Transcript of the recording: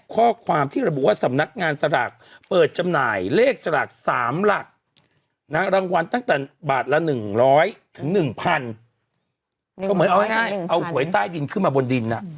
ก็เหมือนเอาให้ง่ายเอาหวยใต้ดินขึ้นมาบนดิน